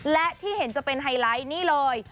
และที่เห็นจะเป็นไฮไลท์นี่เลย